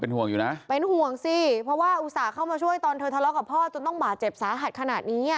ห่วงอยู่นะเป็นห่วงสิเพราะว่าอุตส่าห์เข้ามาช่วยตอนเธอทะเลาะกับพ่อจนต้องบาดเจ็บสาหัสขนาดนี้อ่ะ